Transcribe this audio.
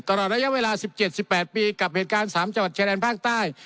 ตลอดระยะเวลา๑๗๑๘ปีกับเหตุการณ์๓จังหวัดชายแดนภาคใต้